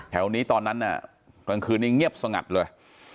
แถวนี้ตอนนั้นน่ะกลางคืนนี้เงียบสงัดเลย